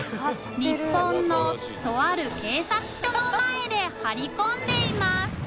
稙椶とある警察署の前で張り込んでいます△